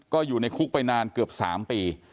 ก็อยู่ในคุกไปนานเกือบ๓ปี